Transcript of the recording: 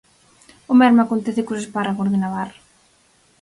O mesmo acontece cos espárragos de Navarra.